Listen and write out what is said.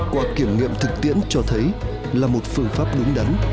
qua kiểm nghiệm thực tiễn cho thấy là một phương pháp đúng đắn